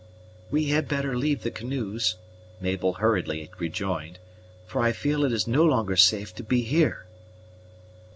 "We had better leave the canoes," Mabel hurriedly rejoined; "for I feel it is no longer safe to be here."